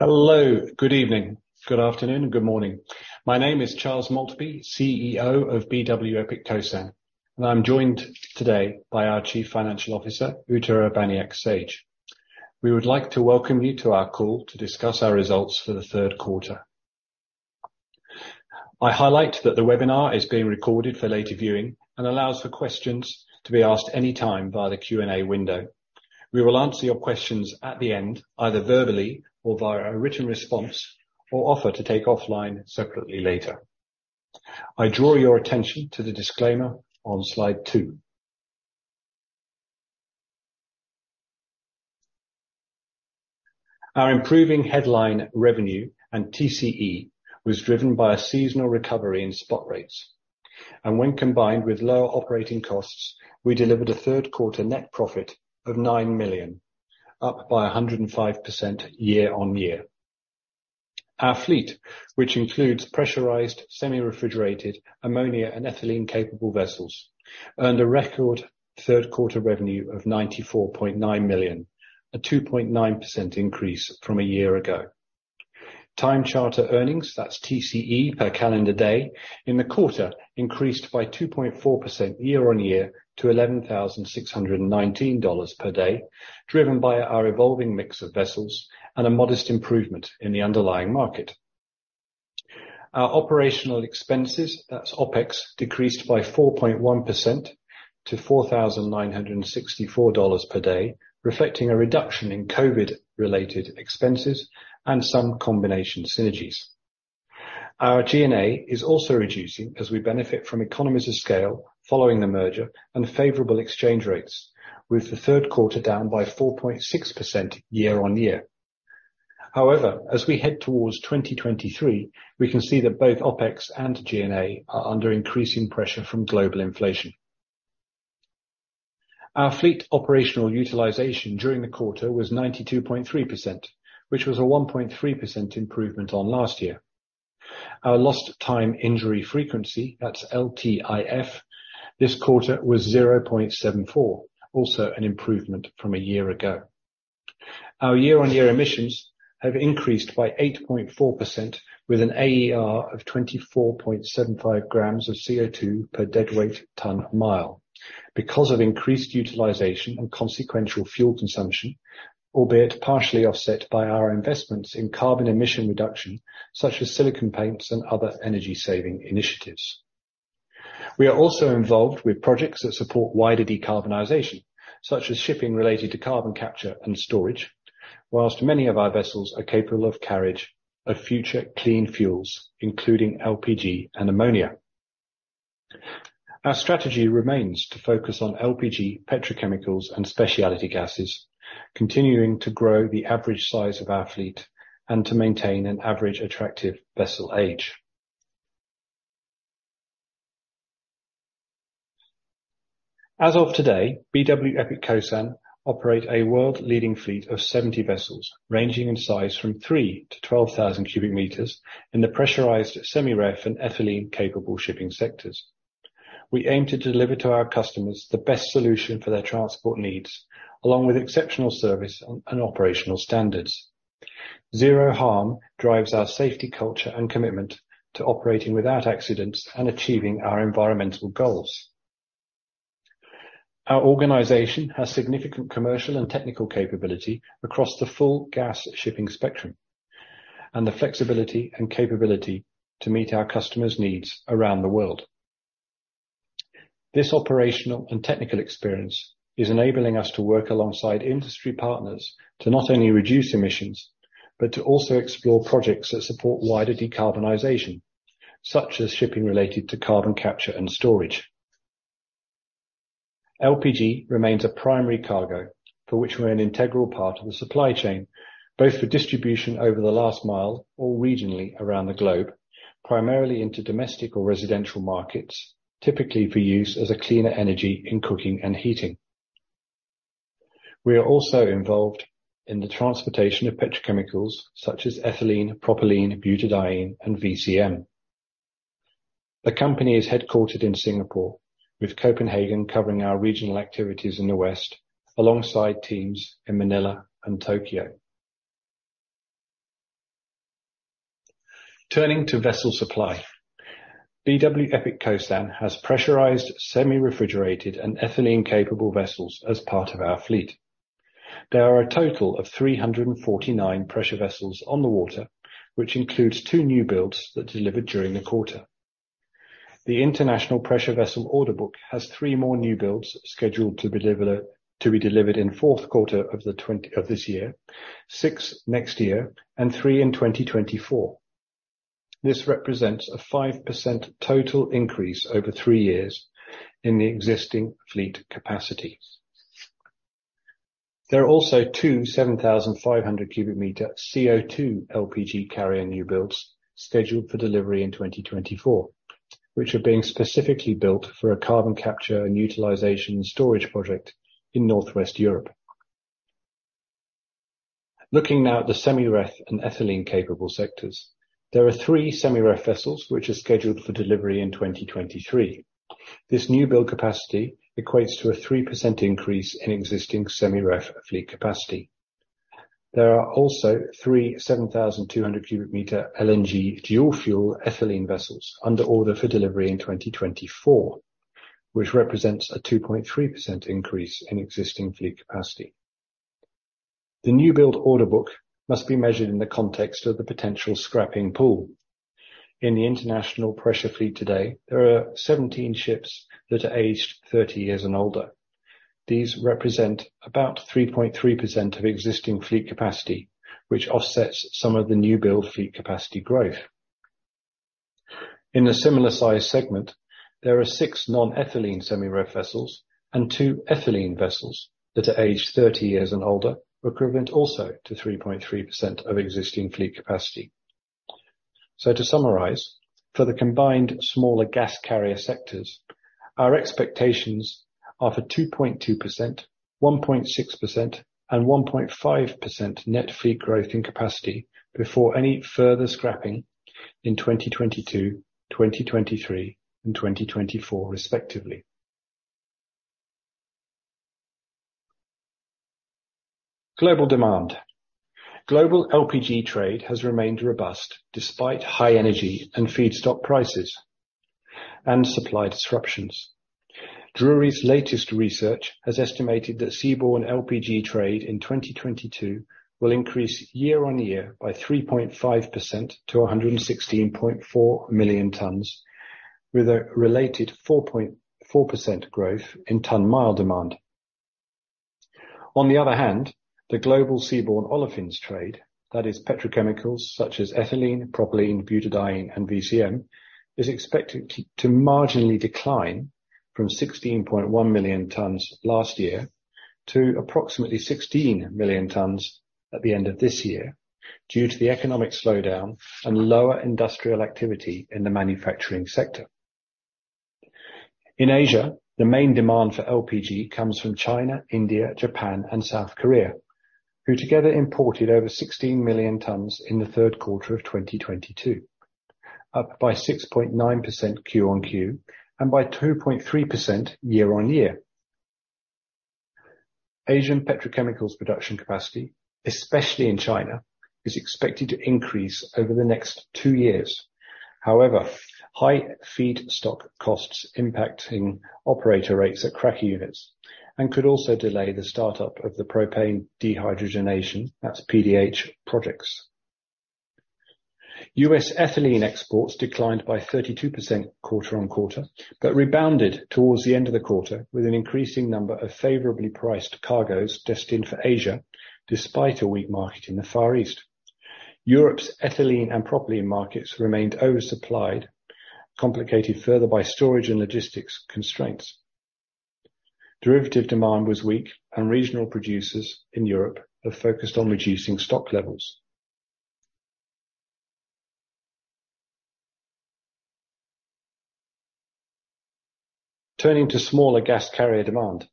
Hello, good evening, good afternoon, good morning. My name is Charles Maltby, CEO of BW Epic Kosan, and I'm joined today by our Chief Financial Officer, Uta Urbaniak-Sage. We would like to welcome you to our call to discuss our results for the third quarter. I highlight that the webinar is being recorded for later viewing and allows for questions to be asked anytime via the Q&A window. We will answer your questions at the end, either verbally or via a written response, or offer to take offline separately later. I draw your attention to the disclaimer on slide two. Our improving headline revenue and TCE was driven by a seasonal recovery in spot rates. When combined with lower operating costs, we delivered a third-quarter net profit of $9 million, up by 105% year-on-year. Our fleet, which includes pressurized, semi-refrigerated, ammonia, and ethylene-capable vessels, earned a record third-quarter revenue of $94.9 million, a 2.9% increase from a year ago. Time charter earnings, that's TCE per calendar day, in the quarter increased by 2.4% year-on-year to $11,619 per day, driven by our evolving mix of vessels and a modest improvement in the underlying market. Our operational expenses, that's OpEx, decreased by 4.1% to $4,964 per day, reflecting a reduction in COVID-related expenses and some combination synergies. Our G&A is also reducing as we benefit from economies of scale following the merger and favorable exchange rates, with the third quarter down by 4.6% year-on-year. As we head towards 2023, we can see that both OpEx and G&A are under increasing pressure from global inflation. Our fleet operational utilization during the quarter was 92.3%, which was a 1.3% improvement on last year. Our lost time injury frequency, that's LTIF, this quarter was 0.74, also an improvement from a year ago. Our year-on-year emissions have increased by 8.4% with an AER of 24.75 grams of CO₂ per deadweight ton mile. Because of increased utilization and consequential fuel consumption, albeit partially offset by our investments in carbon emission reduction, such as silicone paints and other energy-saving initiatives. We are also involved with projects that support wider decarbonization, such as shipping related to carbon capture and storage. Whilst many of our vessels are capable of carriage of future clean fuels, including LPG and ammonia. Our strategy remains to focus on LPG, petrochemicals, and speciality gases, continuing to grow the average size of our fleet and to maintain an average attractive vessel age. As of today, BW Epic Kosan operate a world-leading fleet of 70 vessels, ranging in size from three to 12,000 cubic meters in the pressurized semi-ref and ethylene capable shipping sectors. We aim to deliver to our customers the best solution for their transport needs, along with exceptional service and operational standards. Zero harm drives our safety culture and commitment to operating without accidents and achieving our environmental goals. Our organization has significant commercial and technical capability across the full gas shipping spectrum, and the flexibility and capability to meet our customers' needs around the world. This operational and technical experience is enabling us to work alongside industry partners to not only reduce emissions, but to also explore projects that support wider decarbonization, such as shipping related to carbon capture and storage. LPG remains a primary cargo for which we're an integral part of the supply chain, both for distribution over the last mile or regionally around the globe, primarily into domestic or residential markets, typically for use as a cleaner energy in cooking and heating. We are also involved in the transportation of petrochemicals such as ethylene, propylene, butadiene, and VCM. The company is headquartered in Singapore, with Copenhagen covering our regional activities in the West alongside teams in Manila and Tokyo. Turning to vessel supply. BW Epic Kosan has pressurized, semi-refrigerated, and ethylene-capable vessels as part of our fleet. There are a total of 349 pressure vessels on the water, which includes two new builds that delivered during the quarter. The International Pressure Vessel order book has three more new builds scheduled to be delivered in fourth quarter of this year, six next year, and three in 2024. This represents a 5% total increase over three years in the existing fleet capacity. There are also two 7,500 cubic meter CO₂ LPG carrier new builds scheduled for delivery in 2024, which are being specifically built for a carbon capture and utilization storage project in Northwest Europe. Looking now at the semi-ref and ethylene capable sectors. There are three semi-ref vessels which are scheduled for delivery in 2023. This new build capacity equates to a 3% increase in existing semi-ref fleet capacity. There are also three 7,200 cubic meter LNG dual fuel ethylene vessels under order for delivery in 2024, which represents a 2.3% increase in existing fleet capacity. The new build order book must be measured in the context of the potential scrapping pool. In the international pressure fleet today, there are 17 ships that are aged 30 years and older. These represent about 3.3% of existing fleet capacity, which offsets some of the new build fleet capacity growth. In a similar size segment, there are six non-ethylene semi-ref vessels and two ethylene vessels that are aged 30 years and older, equivalent also to 3.3% of existing fleet capacity. To summarize, for the combined smaller gas carrier sectors, our expectations are for two 2%, 1.6%, and 1.5% net fleet growth in capacity before any further scrapping in 2022, 2023 and 2024 respectively. Global demand. Global LPG trade has remained robust despite high energy and feedstock prices and supply disruptions. Drewry's latest research has estimated that seaborne LPG trade in 2022 will increase year-on-year by 3.5% to 116.4 million tons, with a related 4.4% growth in ton-mile demand. On the other hand, the global seaborne olefins trade, that is petrochemicals such as ethylene, propylene, butadiene, and VCM, is expected to marginally decline from 16.1 million tons last year to approximately 16 million tons at the end of this year, due to the economic slowdown and lower industrial activity in the manufacturing sector. In Asia, the main demand for LPG comes from China, India, Japan, and South Korea, who together imported over 16 million tons in the third quarter of 2022, up by 6.9% Q-on-Q, and by 2.3% year-on-year. Asian petrochemicals production capacity, especially in China, is expected to increase over the next two years. However, high feedstock costs impacting operator rates at cracking units and could also delay the start-up of the propane dehydrogenation, that's PDH products. U.S. ethylene exports declined by 32% quarter-on-quarter, rebounded towards the end of the quarter with an increasing number of favorably priced cargoes destined for Asia, despite a weak market in the Far East. Europe's ethylene and propylene markets remained oversupplied, complicated further by storage and logistics constraints. Derivative demand was weak. Regional producers in Europe have focused on reducing stock levels. Turning to smaller gas carrier demand.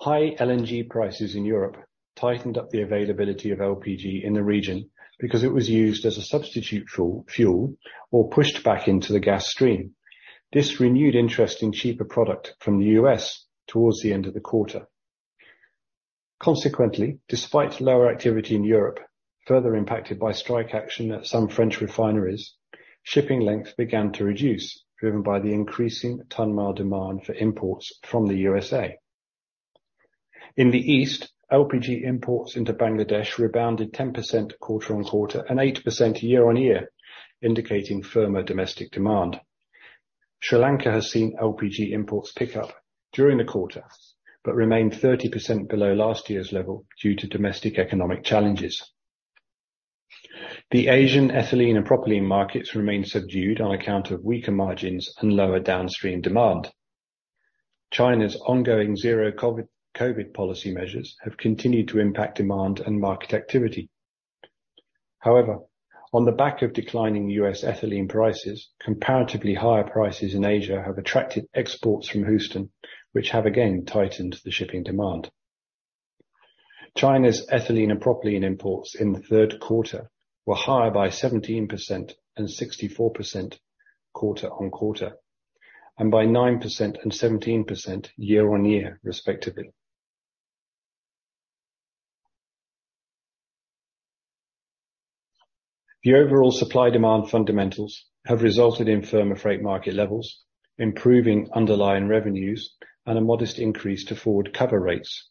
High LNG prices in Europe tightened up the availability of LPG in the region because it was used as a substitute fuel or pushed back into the gas stream. This renewed interest in cheaper product from the U.S. towards the end of the quarter. Consequently, despite lower activity in Europe, further impacted by strike action at some French refineries, shipping lengths began to reduce, driven by the increasing ton-mile demand for imports from the USA. In the East, LPG imports into Bangladesh rebounded 10% quarter-on-quarter and 8% year-on-year, indicating firmer domestic demand. Sri Lanka has seen LPG imports pick up during the quarter but remained 30% below last year's level due to domestic economic challenges. The Asian ethylene and propylene markets remain subdued on account of weaker margins and lower downstream demand. China's ongoing zero COVID policy measures have continued to impact demand and market activity. However, on the back of declining U.S. Ethylene prices, comparatively higher prices in Asia have attracted exports from Houston, which have again tightened the shipping demand. China's ethylene and propylene imports in the third quarter were higher by 17% and 64% quarter-on-quarter, and by 9% and 17% year-on-year, respectively. The overall supply demand fundamentals have resulted in firmer freight market levels, improving underlying revenues, and a modest increase to forward cover rates.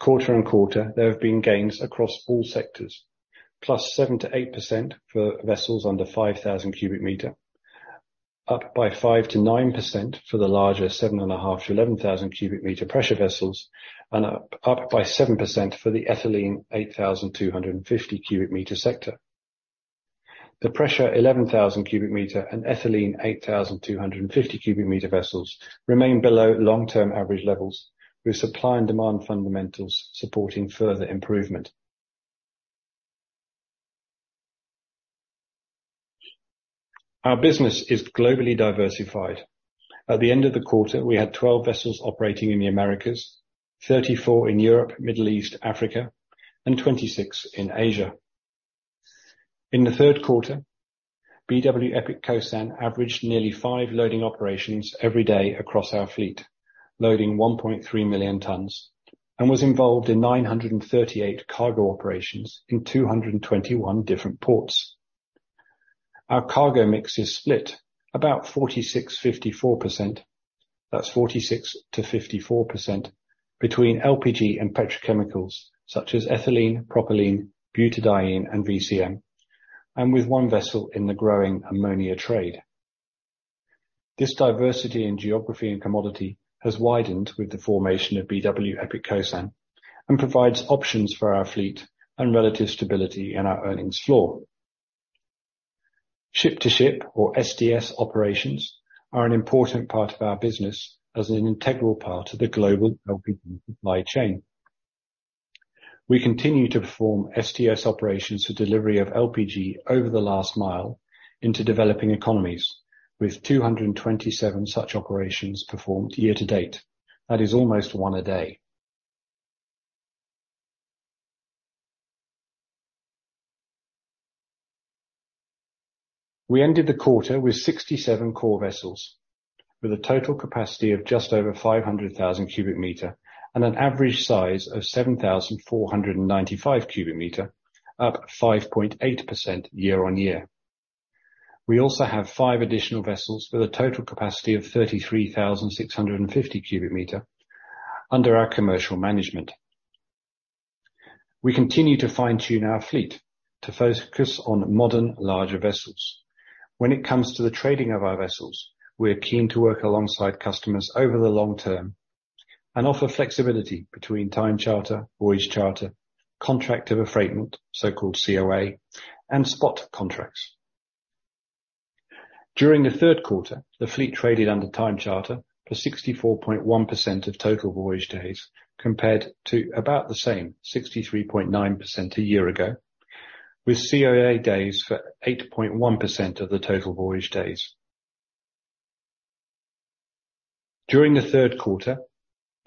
Quarter-on-quarter, there have been gains across all sectors, +7% to +8% for vessels under 5,000 cubic meter, up by 5%-9% for the larger 7,500-11,000 cubic meter pressurized vessels, and up by 7% for the ethylene 8,250 cubic meter sector. The pressurized 11,000 cubic meter and ethylene 8,250 cubic meter vessels remain below long-term average levels with supply and demand fundamentals supporting further improvement. Our business is globally diversified. At the end of the quarter, we had 12 vessels operating in the Americas, 34 in Europe, Middle East, Africa, and 26 in Asia. In the third quarter, BW Epic Kosan averaged nearly 5 loading operations every day across our fleet, loading 1.3 million tons, and was involved in 938 cargo operations in 221 different ports. Our cargo mix is split about 46%-54%. That's 46%-54% between LPG and petrochemicals such as ethylene, propylene, butadiene, and VCM, and with one vessel in the growing ammonia trade. This diversity in geography and commodity has widened with the formation of BW Epic Kosan and provides options for our fleet and relative stability in our earnings floor. Ship-to-ship, or STS operations, are an important part of our business as an integral part of the global LPG supply chain. We continue to perform STS operations for delivery of LPG over the last mile into developing economies with 227 such operations performed year-to-date. That is almost one a day. We ended the quarter with 67 core vessels, with a total capacity of just over 500,000 cubic meter and an average size of 7,495 cubic meter, up 5.8% year-on-year. We also have five additional vessels with a total capacity of 33,650 cubic meter under our commercial management. We continue to fine-tune our fleet to focus on modern larger vessels. When it comes to the trading of our vessels, we're keen to work alongside customers over the long term and offer flexibility between time charter, voyage charter, Contract of Affreightment, so-called COA, and spot contracts. During the third quarter, the fleet traded under time charter for 64.1% of total voyage days, compared to about the same 63.9% a year ago, with COA days for 8.1% of the total voyage days. During the third quarter,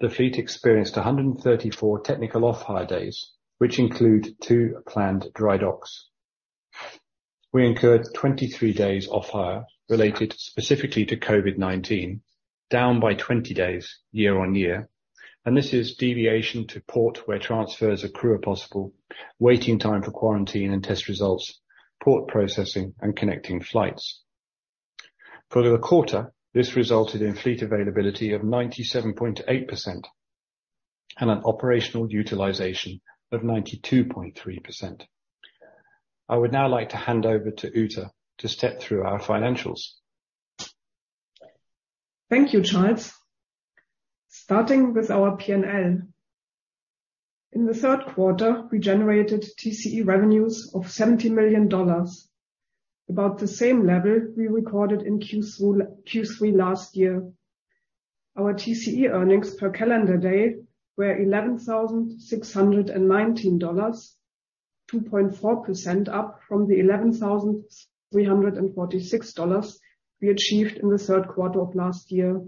the fleet experienced 134 technical off-hire days, which include two planned dry docks. We incurred 23 days off-hire related specifically to COVID-19, down by 20 days year-on-year, and this is deviation to port where transfers are crew possible, waiting time for quarantine and test results, port processing, and connecting flights. For the quarter, this resulted in fleet availability of 97.8% and an operational utilization of 92.3%. I would now like to hand over to Uta to step through our financials. Thank you, Charles. Starting with our P&L. In the third quarter, we generated TCE revenues of $70 million, about the same level we recorded in Q3 last year. Our TCE earnings per calendar day were $11,619, 2.4% up from the $11,346 we achieved in the third quarter of last year,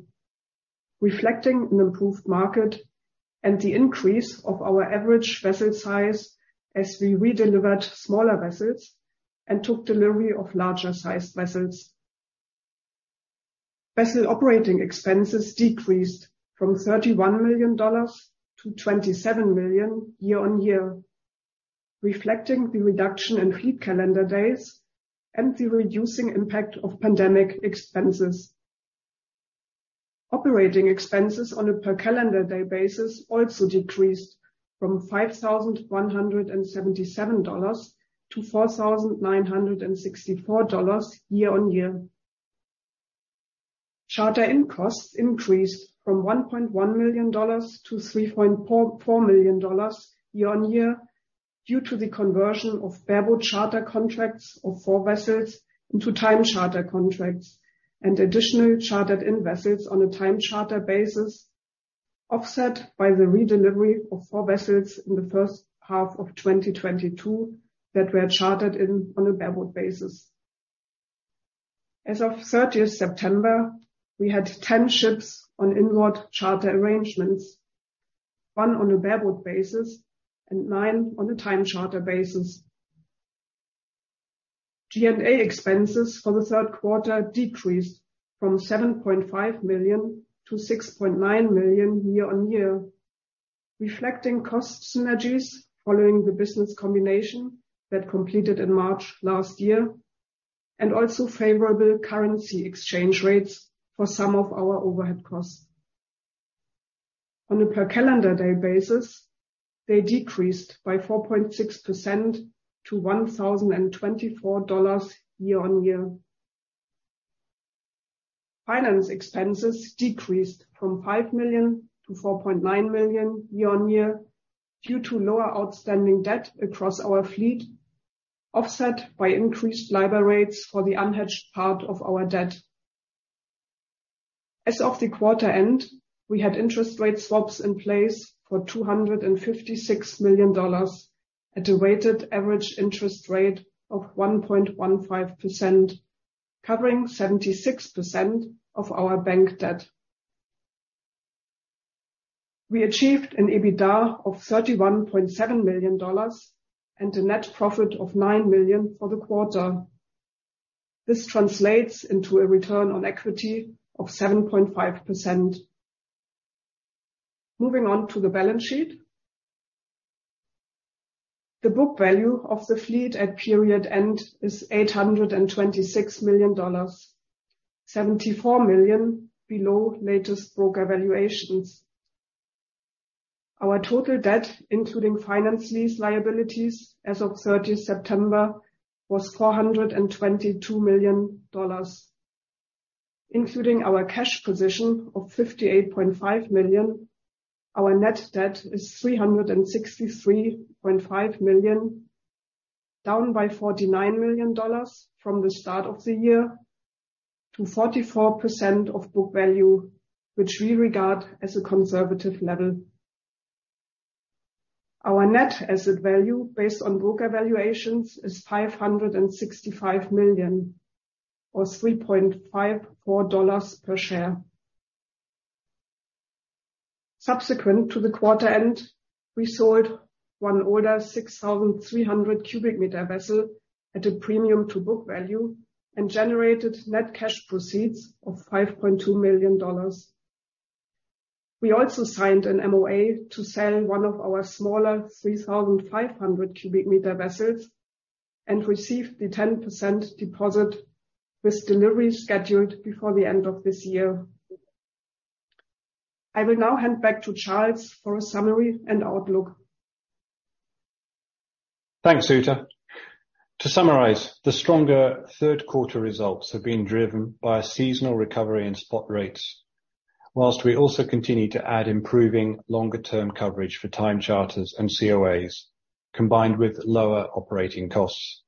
reflecting an improved market and the increase of our average vessel size as we redelivered smaller vessels and took delivery of larger-sized vessels. Vessel operating expenses decreased from $31 million-$27 million year-on-year, reflecting the reduction in fleet calendar days and the reducing impact of pandemic expenses. Operating expenses on a per calendar day basis also decreased from $5,177-$4,964 year-on-year. Charter in costs increased from $1.1 million-$3.44 million year-on-year due to the conversion of bareboat charter contracts of four vessels into time charter contracts and additional chartered-in vessels on a time charter basis, offset by the redelivery of four vessels in the first half of 2022 that were chartered in on a bareboat basis. As of 30th September, we had 10 ships on inward charter arrangements, one on a bareboat basis and nine on a time charter basis. G&A expenses for the third quarter decreased from $7.5 million-$6.9 million year-on-year, reflecting cost synergies following the business combination that completed in March last year and also favorable currency exchange rates for some of our overhead costs. On a per calendar day basis, they decreased by 4.6% to $1,024 year-on-year. Finance expenses decreased from $5 million-$4.9 million year-on-year due to lower outstanding debt across our fleet, offset by increased LIBOR rates for the unhedged part of our debt. As of the quarter end, we had interest rate swaps in place for $256 million at a weighted average interest rate of 1.15%, covering 76% of our bank debt. We achieved an EBITDA of $31.7 million and a net profit of $9 million for the quarter. This translates into a return on equity of 7.5%. Moving on to the balance sheet. The book value of the fleet at period end is $826 million, $74 million below latest broker valuations. Our total debt, including finance lease liabilities as of 30th September, was $422 million. Including our cash position of $58.5 million, our net debt is $363.5 million, down by $49 million from the start of the year to 44% of book value, which we regard as a conservative level. Our net asset value based on broker valuations is $565 million or $3.54 per share. Subsequent to the quarter end, we sold one older 6,300 cubic meter vessel at a premium to book value and generated net cash proceeds of $5.2 million. We also signed an MOA to sell one of our smaller 3,500 cubic meter vessels and received the 10% deposit with delivery scheduled before the end of this year. I will now hand back to Charles for a summary and outlook. Thanks, Uta. To summarize, the stronger third quarter results have been driven by a seasonal recovery in spot rates, whilst we also continue to add improving longer term coverage for time charters and COAs, combined with lower operating costs.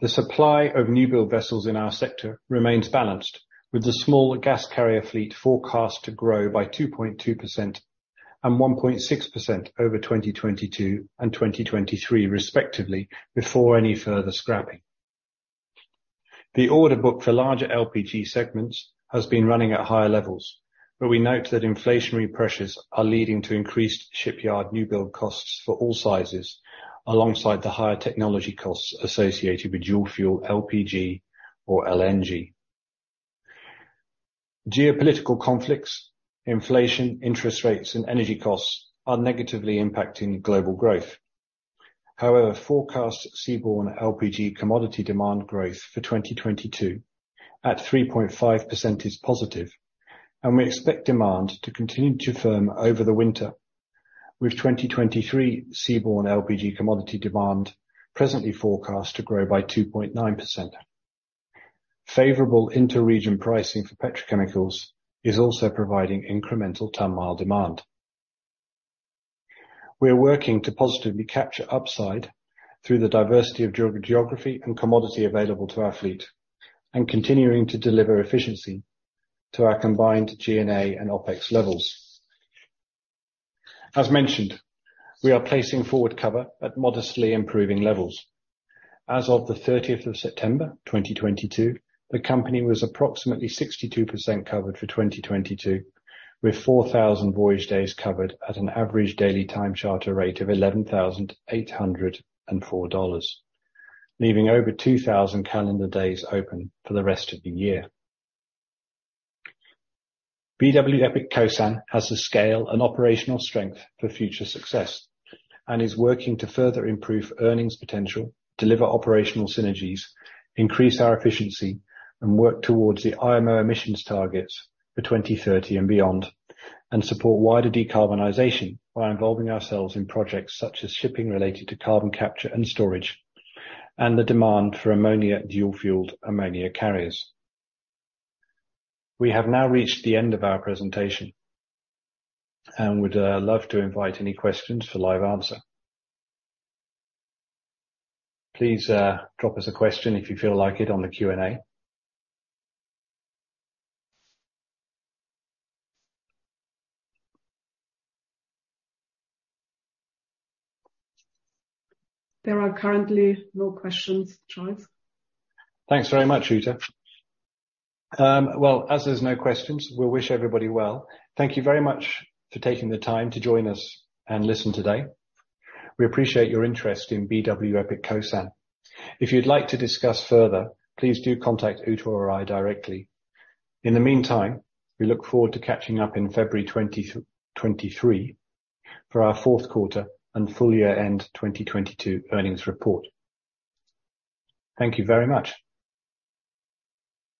The supply of new build vessels in our sector remains balanced with the smaller gas carrier fleet forecast to grow by 2.2% and 1.6% over 2022 and 2023 respectively before any further scrapping. The order book for larger LPG segments has been running at higher levels, but we note that inflationary pressures are leading to increased shipyard new build costs for all sizes alongside the higher technology costs associated with dual fuel LPG or LNG. Geopolitical conflicts, inflation, interest rates and energy costs are negatively impacting global growth. However, forecast seaborne LPG commodity demand growth for 2022 at 3.5% is positive, and we expect demand to continue to firm over the winter, with 2023 seaborne LPG commodity demand presently forecast to grow by 2.9%. Favorable inter-region pricing for petrochemicals is also providing incremental ton-mile demand. We are working to positively capture upside through the diversity of geo-geography and commodity available to our fleet and continuing to deliver efficiency to our combined G&A and OpEx levels. As mentioned, we are placing forward cover at modestly improving levels. As of the 30th of September 2022, the company was approximately 62% covered for 2022, with 4,000 voyage days covered at an average daily time charter rate of $11,804, leaving over 2,000 calendar days open for the rest of the year. BW Epic Kosan has the scale and operational strength for future success and is working to further improve earnings potential, deliver operational synergies, increase our efficiency and work towards the IMO emissions targets for 2030 and beyond, and support wider decarbonization by involving ourselves in projects such as shipping related to carbon capture and storage, and the demand for ammonia dual fueled ammonia carriers. We have now reached the end of our presentation and would love to invite any questions for live answer. Please drop us a question if you feel like it on the Q&A. There are currently no questions, Charles. Thanks very much, Uta. well, as there's no questions, we'll wish everybody well. Thank you very much for taking the time to join us and listen today. We appreciate your interest in BW Epic Kosan. If you'd like to discuss further, please do contact Uta or I directly. In the meantime, we look forward to catching up in February 2023 for our fourth quarter and full year end 2022 earnings report. Thank you very much.